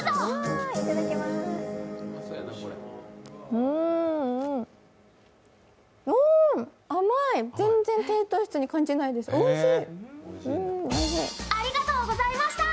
うん、甘い、全然低糖質に感じないです、おいしい！